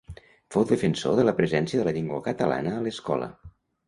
Fou defensor de la presència de la llengua catalana a l'escola.